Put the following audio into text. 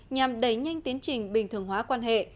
nhằm đẩy nhanh tiến trình bình thường hóa quan hệ